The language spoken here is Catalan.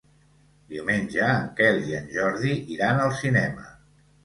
Diumenge en Quel i en Jordi iran al cinema.